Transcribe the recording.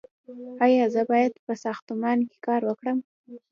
ایا زه باید په ساختمان کې کار وکړم؟